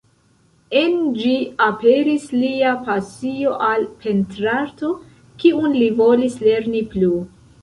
En ĝi aperis lia pasio al pentrarto, kiun li volis lerni plu.